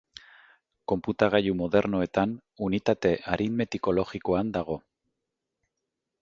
Konputagailu modernoetan Unitate aritmetiko-logikoan dago.